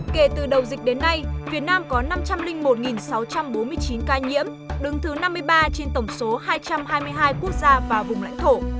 kể từ đầu dịch đến nay việt nam có năm trăm linh một sáu trăm bốn mươi chín ca nhiễm đứng thứ năm mươi ba trên tổng số hai trăm hai mươi hai quốc gia và vùng lãnh thổ